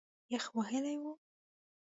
یخ وهلی و.